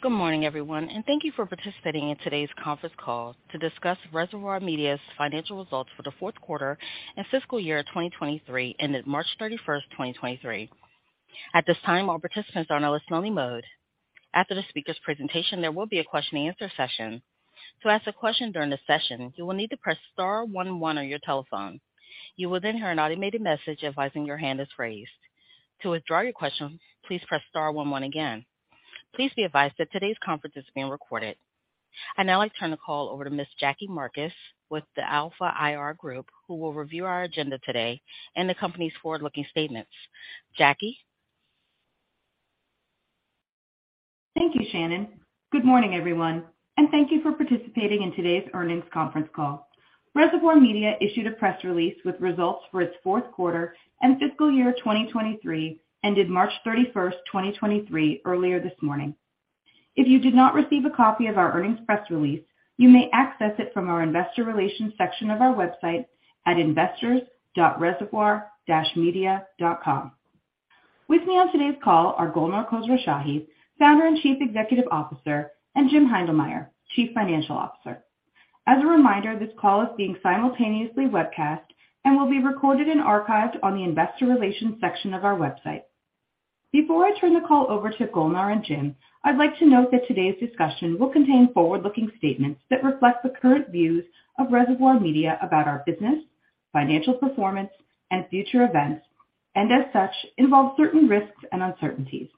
Good morning, everyone, and thank you for participating in today's conference call to discuss Reservoir Media's financial results for the fourth quarter and fiscal year 2023, ended March 31st, 2023. At this time, all participants are on a listen-only mode. After the speaker's presentation, there will be a question-and-answer session. To ask a question during the session, you will need to press star 11 on your telephone. You will then hear an automated message advising your hand is raised. To withdraw your question, please press star 11 again. Please be advised that today's conference is being recorded. I'd now like to turn the call over to Ms. Jackie Marcus with the Alpha IR Group, who will review our agenda today and the company's forward-looking statements. Jackie? Thank you, Shannon. Good morning, everyone, and thank you for participating in today's earnings conference call. Reservoir Media issued a press release with results for its fourth quarter and fiscal year 2023, ended March 31st, 2023, earlier this morning. If you did not receive a copy of our earnings press release, you may access it from our investor relations section of our website at investors.reservoir-media.com. With me on today's call are Golnar Khosrowshahi, Founder and Chief Executive Officer, and Jim Heindlmeyer, Chief Financial Officer. As a reminder, this call is being simultaneously webcast and will be recorded and archived on the investor relations section of our website. Before I turn the call over to Golnar and Jim, I'd like to note that today's discussion will contain forward-looking statements that reflect the current views of Reservoir Media about our business, financial performance, and future events, and as such, involve certain risks and uncertainties.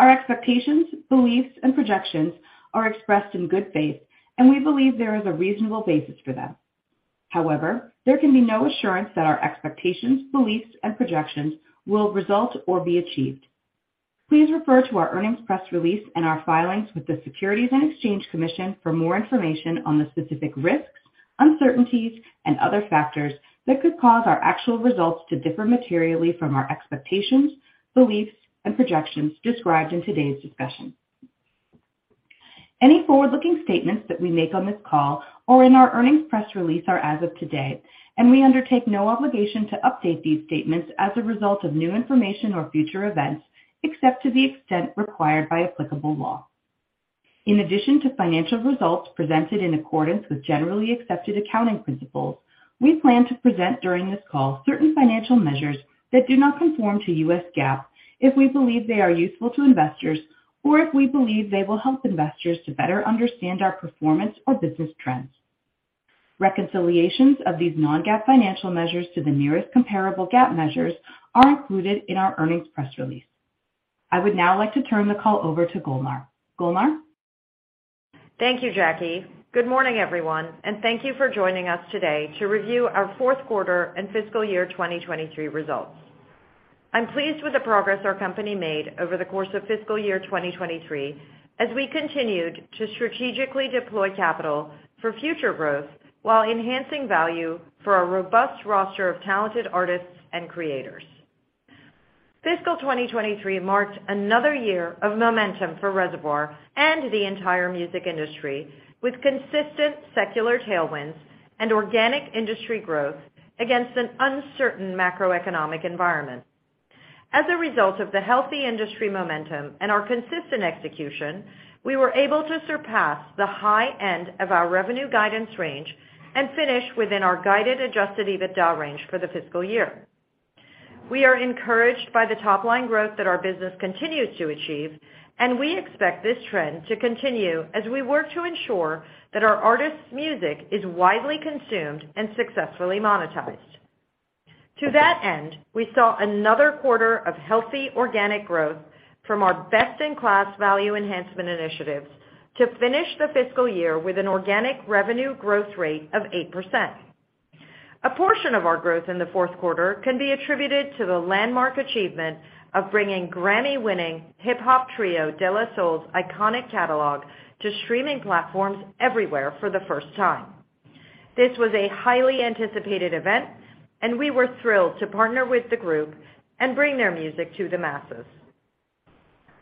Our expectations, beliefs, and projections are expressed in good faith. We believe there is a reasonable basis for them. However, there can be no assurance that our expectations, beliefs, and projections will result or be achieved. Please refer to our earnings press release and our filings with the Securities and Exchange Commission for more information on the specific risks, uncertainties, and other factors that could cause our actual results to differ materially from our expectations, beliefs, and projections described in today's discussion. Any forward-looking statements that we make on this call or in our earnings press release are as of today, and we undertake no obligation to update these statements as a result of new information or future events, except to the extent required by applicable law. In addition to financial results presented in accordance with generally accepted accounting principles, we plan to present during this call certain financial measures that do not conform to US GAAP if we believe they are useful to investors or if we believe they will help investors to better understand our performance or business trends. Reconciliations of these non-GAAP financial measures to the nearest comparable GAAP measures are included in our earnings press release. I would now like to turn the call over to Golnar. Golnar? Thank you, Jackie. Good morning, everyone, and thank you for joining us today to review our fourth quarter and fiscal year 2023 results. I'm pleased with the progress our company made over the course of fiscal year 2023, as we continued to strategically deploy capital for future growth while enhancing value for our robust roster of talented artists and creators. Fiscal 2023 marked another year of momentum for Reservoir and the entire music industry, with consistent secular tailwinds and organic industry growth against an uncertain macroeconomic environment. As a result of the healthy industry momentum and our consistent execution, we were able to surpass the high end of our revenue guidance range and finish within our guided adjusted EBITDA range for the fiscal year. We are encouraged by the top-line growth that our business continues to achieve, and we expect this trend to continue as we work to ensure that our artists' music is widely consumed and successfully monetized. To that end, we saw another quarter of healthy organic growth from our best-in-class value enhancement initiatives to finish the fiscal year with an organic revenue growth rate of 8%. A portion of our growth in the fourth quarter can be attributed to the landmark achievement of bringing Grammy-winning hip-hop trio De La Soul's iconic catalog to streaming platforms everywhere for the first time. This was a highly anticipated event, and we were thrilled to partner with the group and bring their music to the masses.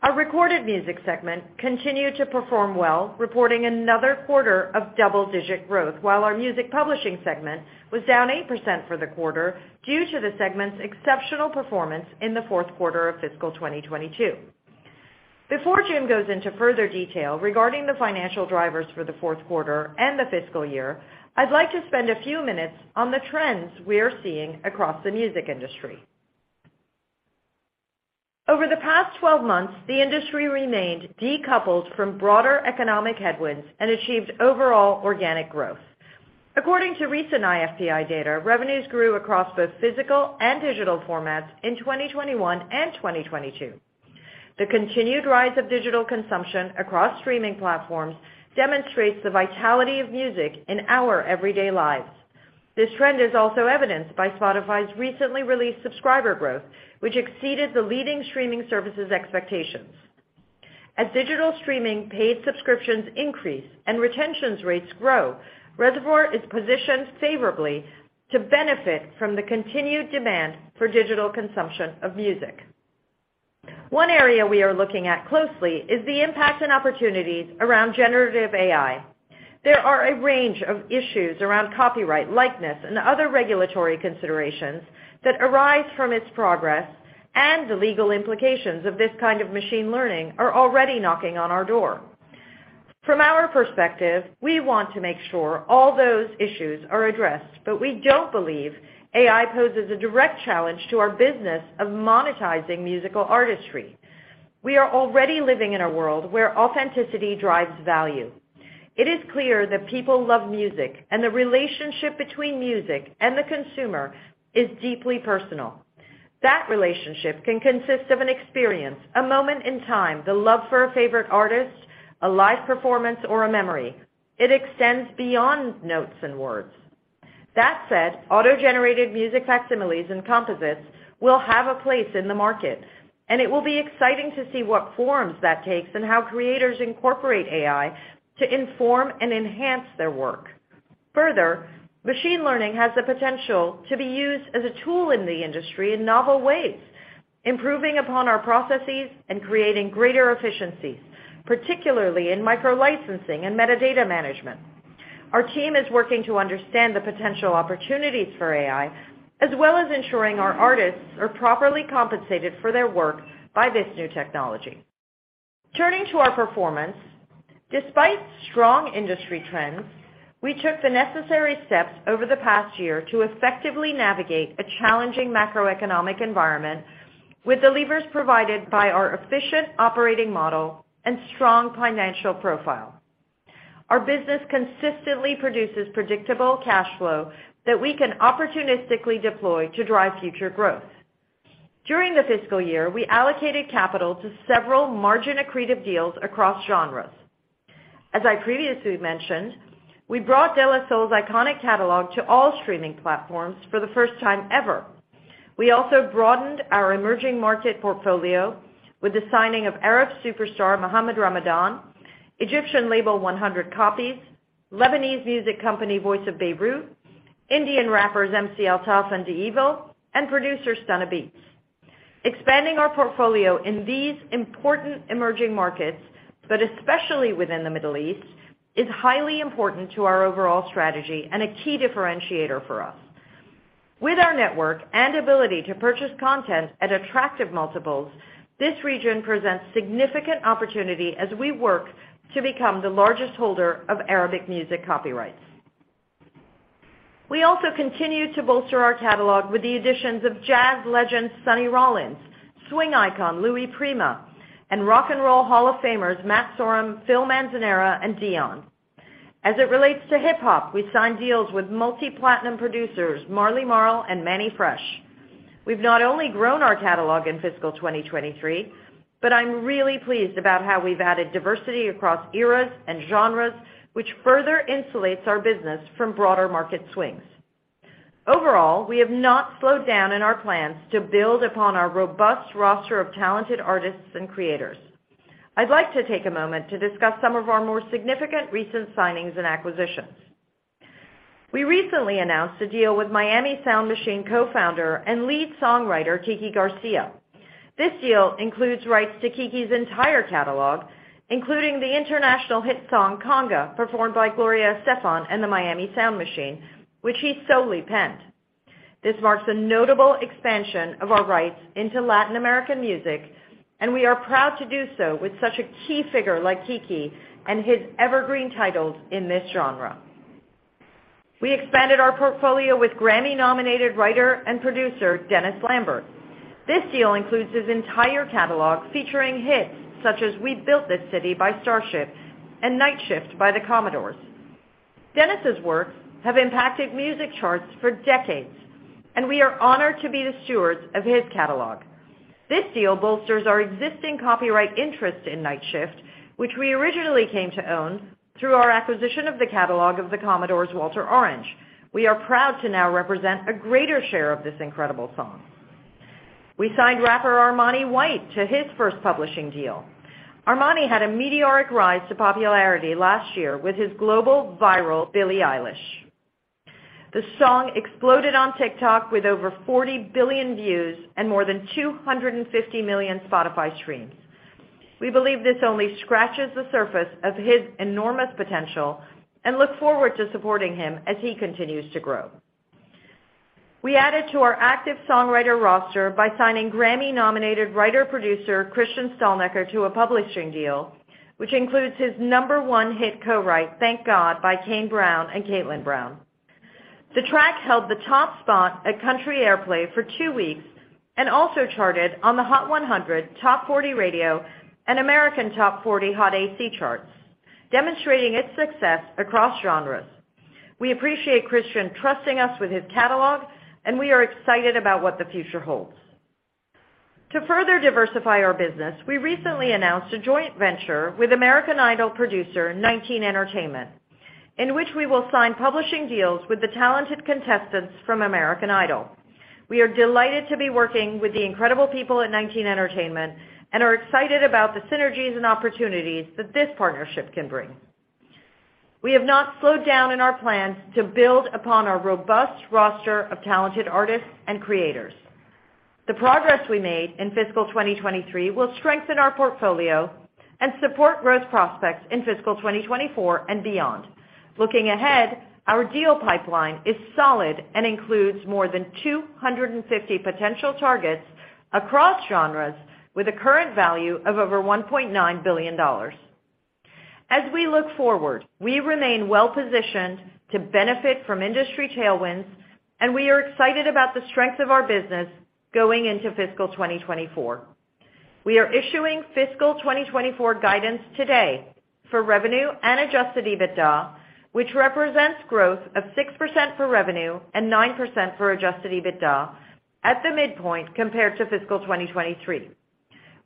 Our recorded music segment continued to perform well, reporting another quarter of double-digit growth, while our music publishing segment was down 8% for the quarter due to the segment's exceptional performance in the fourth quarter of fiscal 2022. Before Jim goes into further detail regarding the financial drivers for the fourth quarter and the fiscal year, I'd like to spend a few minutes on the trends we are seeing across the music industry. Over the past 12 months, the industry remained decoupled from broader economic headwinds and achieved overall organic growth. According to recent IFPI data, revenues grew across both physical and digital formats in 2021 and 2022. The continued rise of digital consumption across streaming platforms demonstrates the vitality of music in our everyday lives. This trend is also evidenced by Spotify's recently released subscriber growth, which exceeded the leading streaming service's expectations. As digital streaming paid subscriptions increase and retentions rates grow, Reservoir is positioned favorably to benefit from the continued demand for digital consumption of music. One area we are looking at closely is the impact and opportunities around generative AI. There are a range of issues around copyright, likeness, and other regulatory considerations that arise from its progress, and the legal implications of this kind of machine learning are already knocking on our door. From our perspective, we want to make sure all those issues are addressed, but we don't believe AI poses a direct challenge to our business of monetizing musical artistry. We are already living in a world where authenticity drives value. It is clear that people love music, and the relationship between music and the consumer is deeply personal. That relationship can consist of an experience, a moment in time, the love for a favorite artist, a live performance, or a memory. It extends beyond notes and words. That said, auto-generated music facsimiles and composites will have a place in the market, and it will be exciting to see what forms that takes and how creators incorporate AI to inform and enhance their work. Further, machine learning has the potential to be used as a tool in the industry in novel ways, improving upon our processes and creating greater efficiencies, particularly in micro-licensing and metadata management. Our team is working to understand the potential opportunities for AI, as well as ensuring our artists are properly compensated for their work by this new technology. Turning to our performance, despite strong industry trends, we took the necessary steps over the past year to effectively navigate a challenging macroeconomic environment with the levers provided by our efficient operating model and strong financial profile. Our business consistently produces predictable cash flow that we can opportunistically deploy to drive future growth. During the fiscal year, we allocated capital to several margin-accretive deals across genres. As I previously mentioned, we brought De La Soul's iconic catalog to all streaming platforms for the first time ever. We also broadened our emerging market portfolio with the signing of Arab superstar Mohamed Ramadan, Egyptian label One Hundred Copies, Lebanese music company Voice of Beirut, Indian rappers MC Altaf and D'Evil, and producer Stunna Beatz. Expanding our portfolio in these important emerging markets, but especially within the Middle East, is highly important to our overall strategy and a key differentiator for us. With our network and ability to purchase content at attractive multiples, this region presents significant opportunity as we work to become the largest holder of Arabic music copyrights. We also continue to bolster our catalog with the additions of jazz legend Sonny Rollins, swing icon Louis Prima, and Rock and Roll Hall of Famers Matt Sorum, Phil Manzanera, and Dion. As it relates to hip-hop, we've signed deals with multi-platinum producers Marley Marl and Mannie Fresh. We've not only grown our catalog in fiscal 2023, but I'm really pleased about how we've added diversity across eras and genres, which further insulates our business from broader market swings. Overall, we have not slowed down in our plans to build upon our robust roster of talented artists and creators. I'd like to take a moment to discuss some of our more significant recent signings and acquisitions. We recently announced a deal with Miami Sound Machine co-founder and lead songwriter, Kiki Garcia. This deal includes rights to Kiki's entire catalog, including the international hit song, "Conga," performed by Gloria Estefan and the Miami Sound Machine, which he solely penned. This marks a notable expansion of our rights into Latin American music, and we are proud to do so with such a key figure like Kiki and his evergreen titles in this genre. We expanded our portfolio with Grammy-nominated writer and producer, Dennis Lambert. This deal includes his entire catalog, featuring hits such as "We Built This City" by Starship and "Nightshift" by The Commodores. Dennis's works have impacted music charts for decades, and we are honored to be the stewards of his catalog. This deal bolsters our existing copyright interest in Nightshift, which we originally came to own through our acquisition of the catalog of The Commodores' Walter Orange. We are proud to now represent a greater share of this incredible song. We signed rapper Armani White to his first publishing deal. Armani had a meteoric rise to popularity last year with his global viral "BILLIE EILISH." The song exploded on TikTok with over 40 billion views and more than 250 million Spotify streams. We believe this only scratches the surface of his enormous potential and look forward to supporting him as he continues to grow. We added to our active songwriter roster by signing Grammy-nominated writer-producer Christian Stalnecker to a publishing deal, which includes his number one hit co-write, "Thank God," by Kane Brown and Katelyn Brown. The track held the top spot at Country Airplay for 2 weeks and also charted on the Hot 100, Top 40 Radio, and American Top 40 Hot AC charts, demonstrating its success across genres. We appreciate Christian trusting us with his catalog, and we are excited about what the future holds. To further diversify our business, we recently announced a joint venture with American Idol producer, 19 Entertainment, in which we will sign publishing deals with the talented contestants from American Idol. We are delighted to be working with the incredible people at 19 Entertainment and are excited about the synergies and opportunities that this partnership can bring. We have not slowed down in our plans to build upon our robust roster of talented artists and creators. The progress we made in fiscal 2023 will strengthen our portfolio and support growth prospects in fiscal 2024 and beyond. Looking ahead, our deal pipeline is solid and includes more than 250 potential targets across genres, with a current value of over $1.9 billion. As we look forward, we remain well-positioned to benefit from industry tailwinds, and we are excited about the strength of our business going into fiscal 2024. We are issuing fiscal 2024 guidance today for revenue and adjusted EBITDA, which represents growth of 6% for revenue and 9% for adjusted EBITDA at the midpoint compared to fiscal 2023.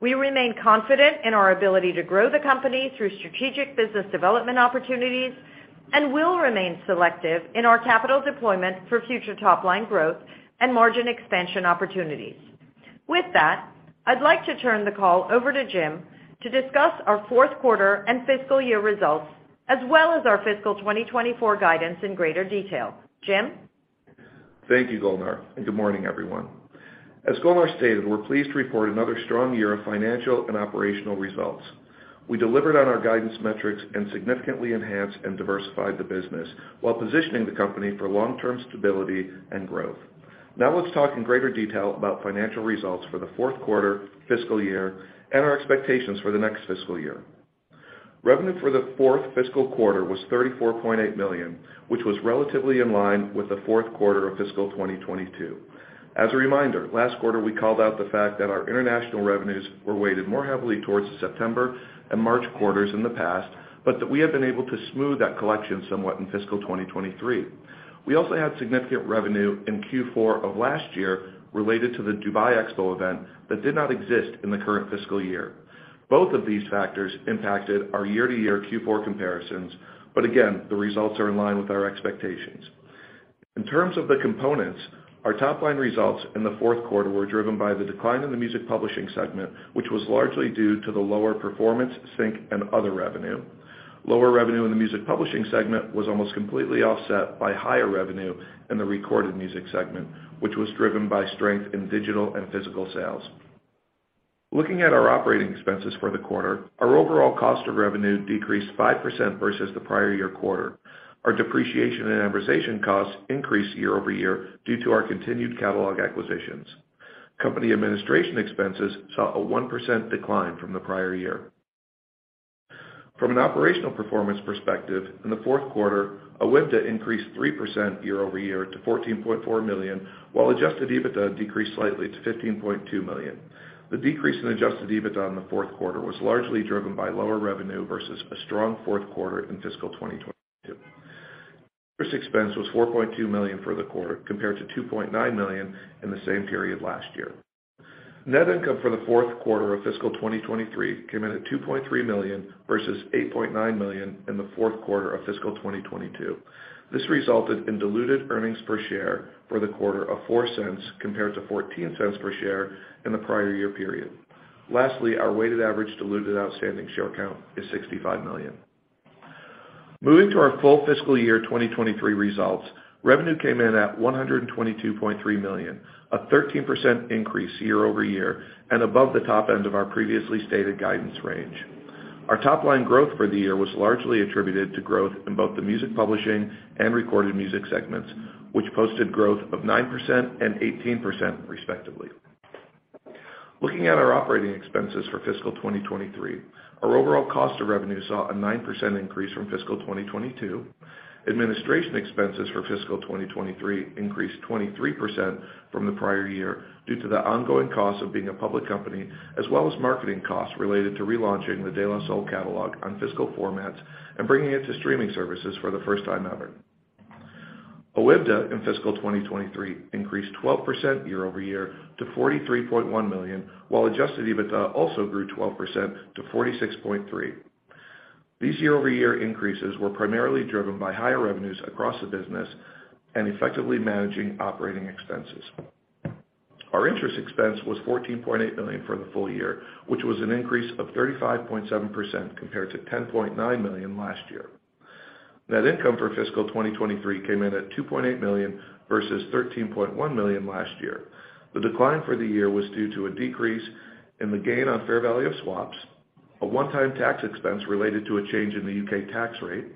We remain confident in our ability to grow the company through strategic business development opportunities, and will remain selective in our capital deployment for future top-line growth and margin expansion opportunities. With that, I'd like to turn the call over to Jim to discuss our fourth quarter and fiscal year results, as well as our fiscal 2024 guidance in greater detail. Jim? Thank you, Golnar. Good morning, everyone. As Golnar stated, we're pleased to report another strong year of financial and operational results. We delivered on our guidance metrics and significantly enhanced and diversified the business while positioning the company for long-term stability and growth. Now let's talk in greater detail about financial results for the fourth quarter fiscal year and our expectations for the next fiscal year. Revenue for the fourth fiscal quarter was $34.8 million, which was relatively in line with the fourth quarter of fiscal 2022. As a reminder, last quarter, we called out the fact that our international revenues were weighted more heavily towards the September and March quarters in the past, but that we have been able to smooth that collection somewhat in fiscal 2023. We also had significant revenue in Q4 of last year related to the Dubai Expo event that did not exist in the current fiscal year. Both of these factors impacted our year-to-year Q4 comparisons, but again, the results are in line with our expectations. In terms of the components, our top-line results in the fourth quarter were driven by the decline in the music publishing segment, which was largely due to the lower performance, sync, and other revenue. Lower revenue in the music publishing segment was almost completely offset by higher revenue in the recorded music segment, which was driven by strength in digital and physical sales. Looking at our operating expenses for the quarter, our overall cost of revenue decreased 5% versus the prior year quarter. Our depreciation and amortization costs increased year-over-year due to our continued catalog acquisitions. Company administration expenses saw a 1% decline from the prior year. From an operational performance perspective, in the fourth quarter, OIBDA increased 3% year-over-year to $14.4 million, while adjusted EBITDA decreased slightly to $15.2 million. The decrease in adjusted EBITDA in the fourth quarter was largely driven by lower revenue versus a strong fourth quarter in fiscal 2022. Interest expense was $4.2 million for the quarter, compared to $2.9 million in the same period last year. Net income for the fourth quarter of fiscal 2023 came in at $2.3 million, versus $8.9 million in the fourth quarter of fiscal 2022. This resulted in diluted earnings per share for the quarter of $0.04, compared to $0.14 per share in the prior year period. Lastly, our weighted average diluted outstanding share count is 65 million. Moving to our full fiscal year 2023 results, revenue came in at $122.3 million, a 13% increase year-over-year and above the top end of our previously stated guidance range. Our top-line growth for the year was largely attributed to growth in both the music publishing and recorded music segments, which posted growth of 9% and 18%, respectively. Looking at our operating expenses for fiscal 2023, our overall cost of revenue saw a 9% increase from fiscal 2022. Administration expenses for fiscal 2023 increased 23% from the prior year due to the ongoing cost of being a public company, as well as marketing costs related to relaunching the De La Soul catalog on physical formats and bringing it to streaming services for the first time ever. OIBDA in fiscal 2023 increased 12% year-over-year to $43.1 million, while adjusted EBITDA also grew 12% to $46.3 million. These year-over-year increases were primarily driven by higher revenues across the business and effectively managing operating expenses. Our interest expense was $14.8 million for the full year, which was an increase of 35.7% compared to $10.9 million last year. Net income for fiscal 2023 came in at $2.8 million versus $13.1 million last year. The decline for the year was due to a decrease in the gain on fair value of swaps, a one-time tax expense related to a change in the U.K. tax rate,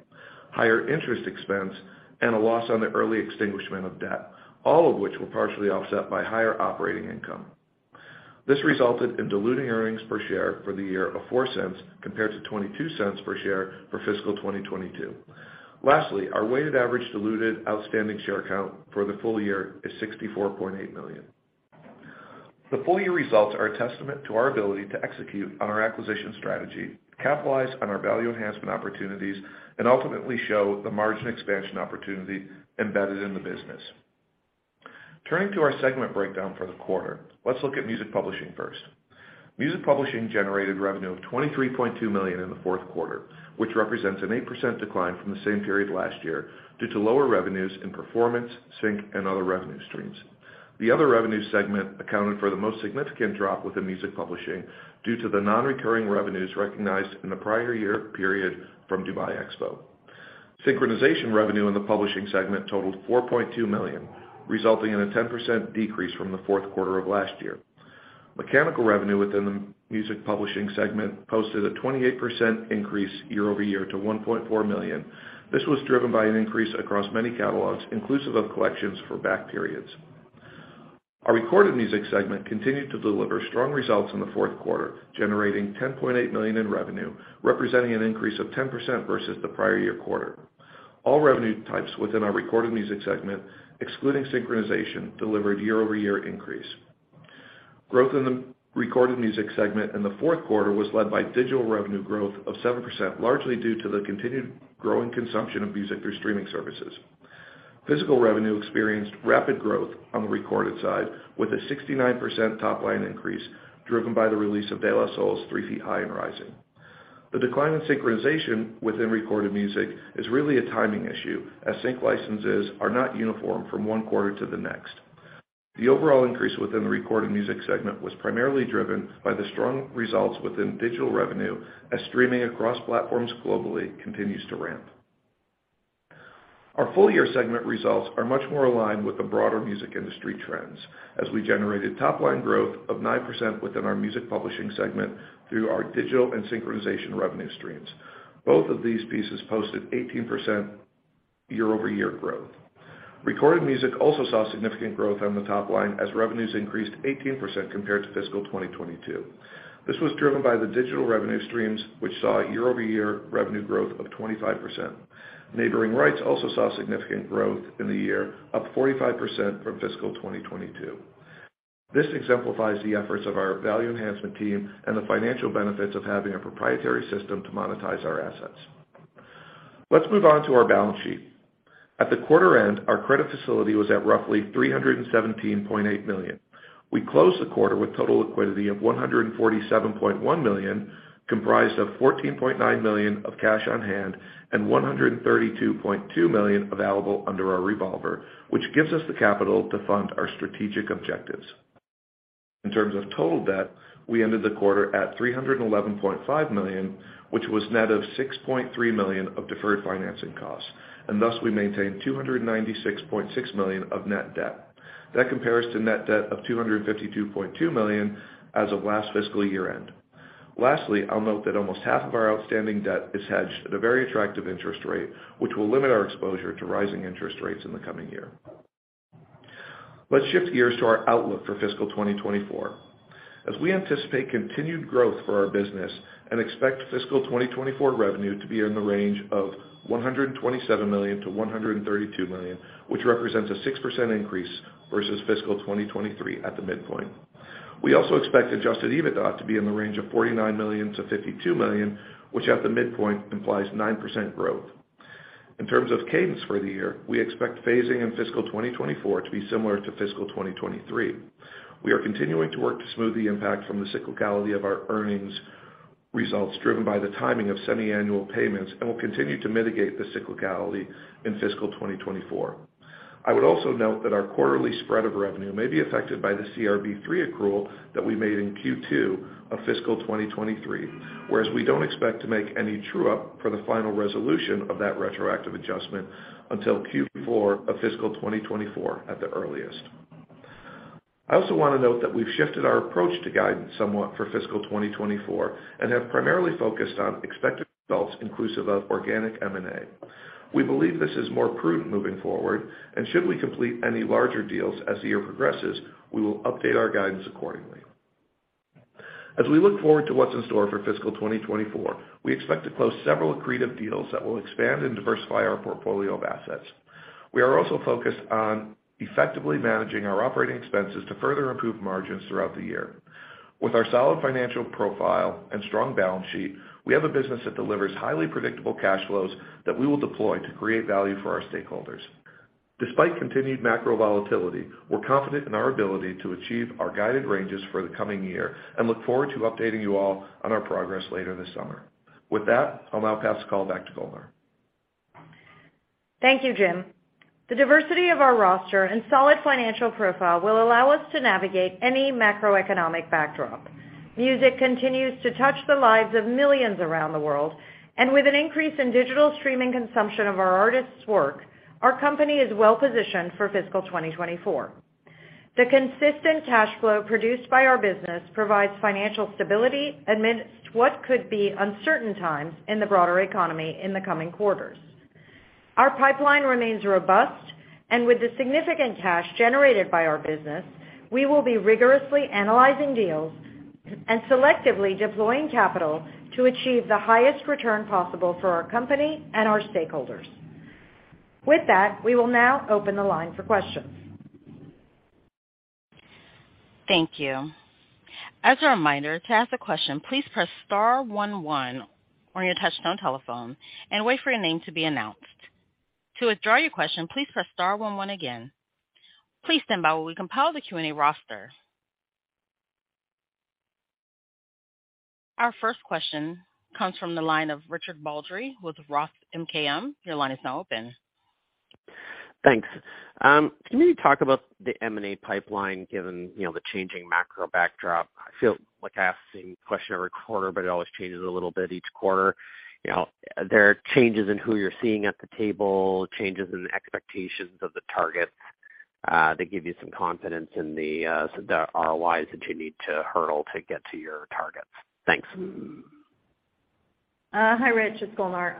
higher interest expense, and a loss on the early extinguishment of debt, all of which were partially offset by higher operating income. This resulted in diluted earnings per share for the year of $0.04, compared to $0.22 per share for fiscal 2022. Lastly, our weighted average diluted outstanding share count for the full year is 64.8 million. The full year results are a testament to our ability to execute on our acquisition strategy, capitalize on our value enhancement opportunities, and ultimately show the margin expansion opportunity embedded in the business. Turning to our segment breakdown for the quarter, let's look at music publishing first. Music publishing generated revenue of $23.2 million in the fourth quarter, which represents an 8% decline from the same period last year due to lower revenues in performance, sync, and other revenue streams. The other revenue segment accounted for the most significant drop within music publishing due to the non-recurring revenues recognized in the prior year period from Dubai Expo. synchronization revenue in the publishing segment totaled $4.2 million, resulting in a 10% decrease from the fourth quarter of last year. Mechanical revenue within the music publishing segment posted a 28% increase year-over-year to $1.4 million. This was driven by an increase across many catalogs, inclusive of collections for back periods. Our recorded music segment continued to deliver strong results in the fourth quarter, generating $10.8 million in revenue, representing an increase of 10% versus the prior year quarter. All revenue types within our recorded music segment, excluding synchronization, delivered year-over-year increase. Growth in the recorded music segment in the fourth quarter was led by digital revenue growth of 7%, largely due to the continued growing consumption of music through streaming services. Physical revenue experienced rapid growth on the recorded side, with a 69% top line increase, driven by the release of De La Soul's 3 Feet High and Rising. The decline in synchronization within recorded music is really a timing issue, as sync licenses are not uniform from one quarter to the next. The overall increase within the recorded music segment was primarily driven by the strong results within digital revenue, as streaming across platforms globally continues to ramp. Our full year segment results are much more aligned with the broader music industry trends, as we generated top line growth of 9% within our music publishing segment through our digital and synchronization revenue streams. Both of these pieces posted 18% year-over-year growth. Recorded music also saw significant growth on the top line, as revenues increased 18% compared to fiscal 2022. This was driven by the digital revenue streams, which saw year-over-year revenue growth of 25%. neighboring rights also saw significant growth in the year, up 45% from fiscal 2022. This exemplifies the efforts of our value enhancement team and the financial benefits of having a proprietary system to monetize our assets. Let's move on to our balance sheet. At the quarter end, our credit facility was at roughly $317.8 million. We closed the quarter with total liquidity of $147.1 million, comprised of $14.9 million of cash on hand and $132.2 million available under our revolver, which gives us the capital to fund our strategic objectives. In terms of total debt, we ended the quarter at $311.5 million, which was net of $6.3 million of deferred financing costs, and thus we maintained $296.6 million of net debt. That compares to net debt of $252.2 million as of last fiscal year-end. Lastly, I'll note that almost half of our outstanding debt is hedged at a very attractive interest rate, which will limit our exposure to rising interest rates in the coming year. Let's shift gears to our outlook for fiscal 2024. As we anticipate continued growth for our business and expect fiscal 2024 revenue to be in the range of $127 million-$132 million, which represents a 6% increase versus fiscal 2023 at the midpoint. We also expect adjusted EBITDA to be in the range of $49 million-$52 million, which at the midpoint implies 9% growth. In terms of cadence for the year, we expect phasing in fiscal 2024 to be similar to fiscal 2023. We are continuing to work to smooth the impact from the cyclicality of our earnings results, driven by the timing of semiannual payments, and will continue to mitigate the cyclicality in fiscal 2024. I would also note that our quarterly spread of revenue may be affected by the CRB3 accrual that we made in Q2 of fiscal 2023, whereas we don't expect to make any true up for the final resolution of that retroactive adjustment until Q4 of fiscal 2024 at the earliest. I also want to note that we've shifted our approach to guidance somewhat for fiscal 2024, and have primarily focused on expected results inclusive of organic M&A. We believe this is more prudent moving forward, and should we complete any larger deals as the year progresses, we will update our guidance accordingly. As we look forward to what's in store for fiscal 2024, we expect to close several accretive deals that will expand and diversify our portfolio of assets. We are also focused on effectively managing our operating expenses to further improve margins throughout the year. With our solid financial profile and strong balance sheet, we have a business that delivers highly predictable cash flows that we will deploy to create value for our stakeholders. Despite continued macro volatility, we're confident in our ability to achieve our guided ranges for the coming year and look forward to updating you all on our progress later this summer. With that, I'll now pass the call back to Golnar. Thank you, Jim. The diversity of our roster and solid financial profile will allow us to navigate any macroeconomic backdrop. Music continues to touch the lives of millions around the world, and with an increase in digital streaming consumption of our artists' work, our company is well positioned for fiscal 2024. The consistent cash flow produced by our business provides financial stability amidst what could be uncertain times in the broader economy in the coming quarters. Our pipeline remains robust, and with the significant cash generated by our business, we will be rigorously analyzing deals and selectively deploying capital to achieve the highest return possible for our company and our stakeholders. With that, we will now open the line for questions. Thank you. As a reminder, to ask a question, please press star one one on your touch-tone telephone and wait for your name to be announced. To withdraw your question, please press star one one again. Please stand by while we compile the Q&A roster. Our first question comes from the line of Richard Baldry with ROTH MKM. Your line is now open. Thanks. Can you talk about the M&A pipeline, given, you know, the changing macro backdrop? I feel like I ask the same question every quarter, but it always changes a little bit each quarter. You know, are there changes in who you're seeing at the table, changes in the expectations of the targets, that give you some confidence in the ROIs that you need to hurdle to get to your targets? Thanks. Hi, Rich, it's Golnar.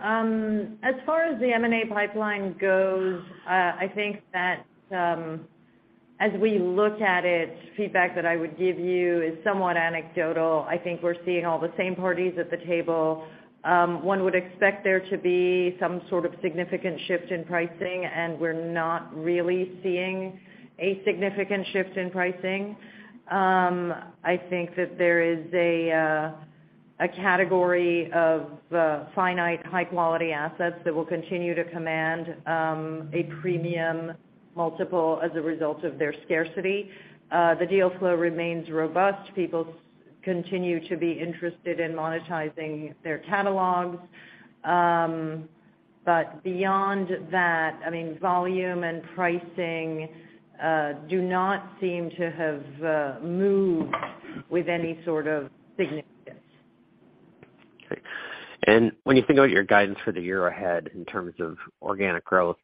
As far as the M&A pipeline goes, I think that, as we look at it, feedback that I would give you is somewhat anecdotal. I think we're seeing all the same parties at the table. One would expect there to be some sort of significant shift in pricing, and we're not really seeing a significant shift in pricing. I think that there is a category of finite, high-quality assets that will continue to command a premium multiple as a result of their scarcity. The deal flow remains robust. People continue to be interested in monetizing their catalogs. Beyond that, I mean, volume and pricing do not seem to have moved with any sort of significance. Okay. When you think about your guidance for the year ahead in terms of organic growth,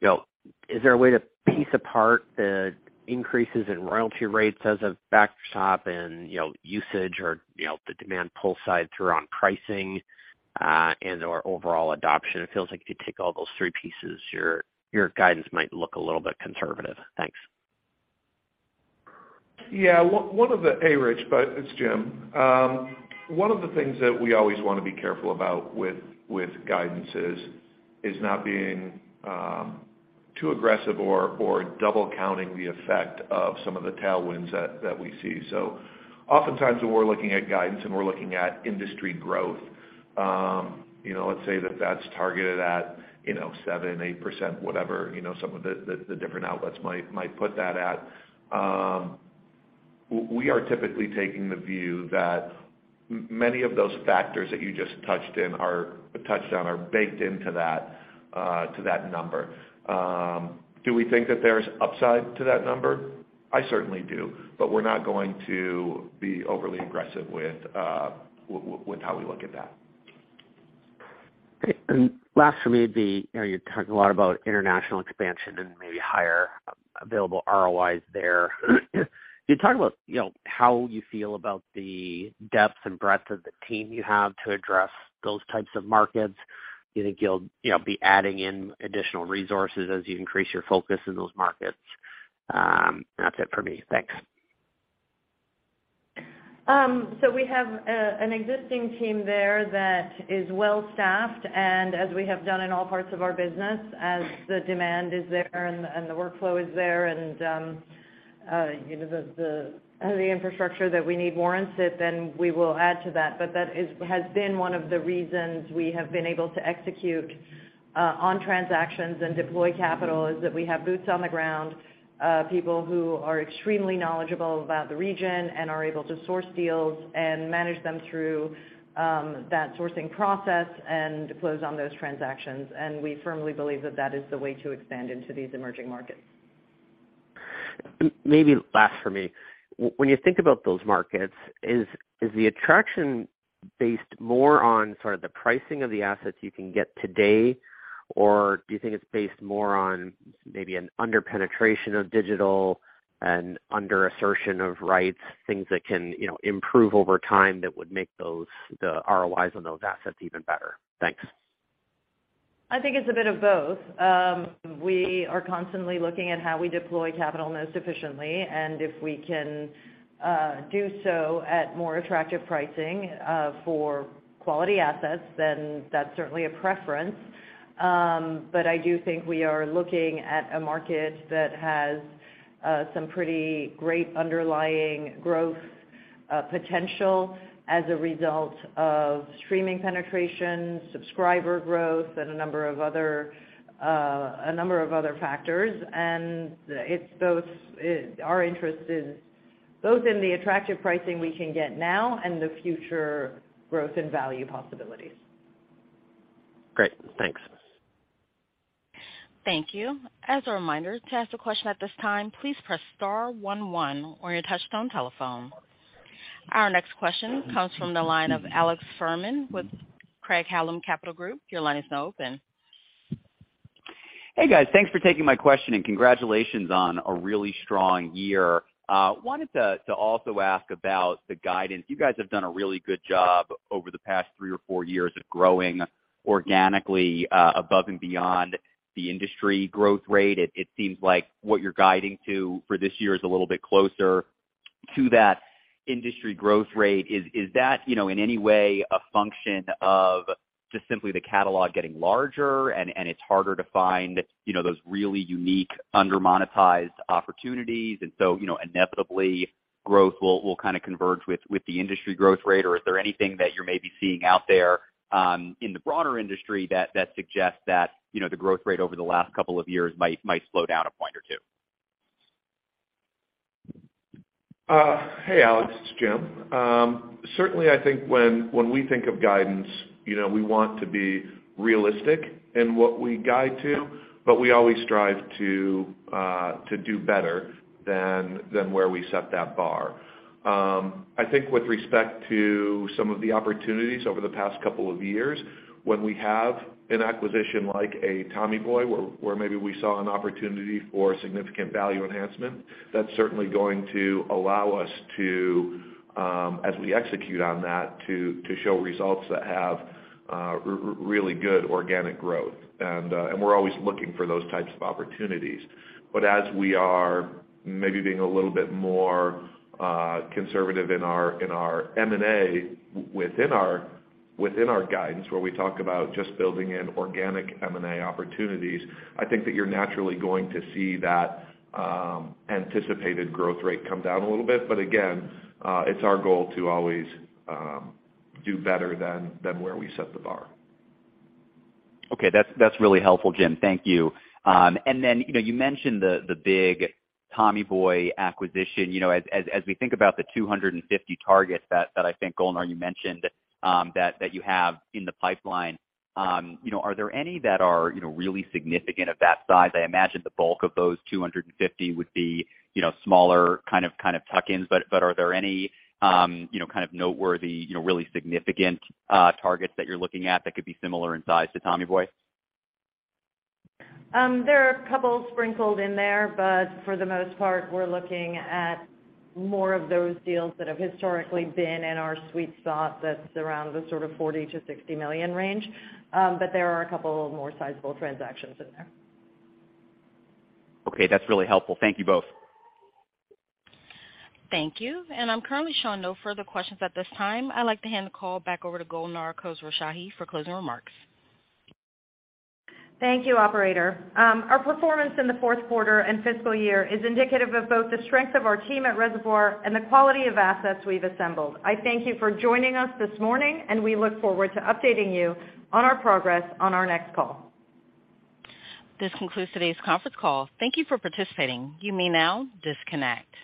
you know, is there a way to piece apart the increases in royalty rates as a factor shop and, you know, usage or, you know, the demand pull side through on pricing or overall adoption? It feels like if you take all those three pieces, your guidance might look a little bit conservative. Thanks. Yeah, one of the-- hey, Rich, but it's Jim. One of the things that we always want to be careful about with guidances is not being too aggressive or double counting the effect of some of the tailwinds that we see. Oftentimes, when we're looking at guidance, and we're looking at industry growth, you know, let's say that that's targeted at, you know, 7, 8%, whatever, you know, some of the different outlets might put that at. We are typically taking the view that many of those factors that you just touched on are baked into that number. Do we think that there's upside to that number? I certainly do, but we're not going to be overly aggressive with how we look at that. Okay. Last for me, you know, you're talking a lot about international expansion and maybe higher available ROIs there. Can you talk about, you know, how you feel about the depth and breadth of the team you have to address those types of markets? Do you think you'll, you know, be adding in additional resources as you increase your focus in those markets? That's it for me. Thanks. So we have an existing team there that is well staffed, and as we have done in all parts of our business, as the demand is there and the workflow is there, and, you know, the infrastructure that we need warrants it, then we will add to that. That has been one of the reasons we have been able to execute on transactions and deploy capital, is that we have boots on the ground, people who are extremely knowledgeable about the region and are able to source deals and manage them through that sourcing process and close on those transactions. We firmly believe that that is the way to expand into these emerging markets. Maybe last for me. When you think about those markets, is the attraction based more on sort of the pricing of the assets you can get today, or do you think it's based more on maybe an under-penetration of digital and under assertion of rights, things that can, you know, improve over time that would make those, the ROIs on those assets even better? Thanks. I think it's a bit of both. We are constantly looking at how we deploy capital most efficiently, and if we can do so at more attractive pricing for quality assets, then that's certainly a preference. I do think we are looking at a market that has some pretty great underlying growth potential as a result of streaming penetration, subscriber growth, and a number of other factors. It's both. Our interest is both in the attractive pricing we can get now and the future growth and value possibilities. Great. Thanks. Thank you. As a reminder, to ask a question at this time, please press star one one on your touchtone telephone. Our next question comes from the line of Alex Fuhrman with Craig-Hallum Capital Group. Your line is now open. Hey, guys. Thanks for taking my question, congratulations on a really strong year. Wanted to also ask about the guidance. You guys have done a really good job over the past three or four years of growing organically, above and beyond the industry growth rate. It seems like what you're guiding to for this year is a little bit closer to that industry growth rate. Is that, you know, in any way a function of just simply the catalog getting larger and it's harder to find, you know, those really unique, under-monetized opportunities, so, you know, inevitably, growth will kind of converge with the industry growth rate? Is there anything that you're maybe seeing out there, in the broader industry that suggests that, you know, the growth rate over the last couple of years might slow down a point or two?... hey, Alex, it's Jim. Certainly, I think when we think of guidance, you know, we want to be realistic in what we guide to, but we always strive to do better than where we set that bar. I think with respect to some of the opportunities over the past couple of years, when we have an acquisition like a Tommy Boy Music, where maybe we saw an opportunity for significant value enhancement, that's certainly going to allow us to, as we execute on that, to show results that have really good organic growth. We're always looking for those types of opportunities. As we are maybe being a little bit more conservative in our M&A, within our guidance, where we talk about just building in organic M&A opportunities, I think that you're naturally going to see that anticipated growth rate come down a little bit. Again, it's our goal to always do better than where we set the bar. Okay. That's really helpful, Jim. Thank you. Then, you know, you mentioned the big Tommy Boy acquisition. You know, as we think about the 250 targets that I think, Golnar, you mentioned that you have in the pipeline, you know, are there any that are, you know, really significant of that size? I imagine the bulk of those 250 would be, you know, smaller, kind of, tuck-ins. Are there any, you know, kind of noteworthy, you know, really significant targets that you're looking at that could be similar in size to Tommy Boy? There are a couple sprinkled in there, but for the most part, we're looking at more of those deals that have historically been in our sweet spot that's around the sort of $40 million-$60 million range. There are a couple of more sizable transactions in there. Okay, that's really helpful. Thank you both. Thank you. I'm currently showing no further questions at this time. I'd like to hand the call back over to Golnar Khosrowshahi for closing remarks. Thank you, Operator. Our performance in the fourth quarter and fiscal year is indicative of both the strength of our team at Reservoir and the quality of assets we've assembled. I thank you for joining us this morning. We look forward to updating you on our progress on our next call. This concludes today's conference call. Thank you for participating. You may now disconnect.